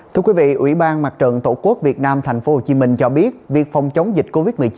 thưa quý vị ủy ban mặt trận tổ quốc việt nam tp hcm cho biết việc phòng chống dịch covid một mươi chín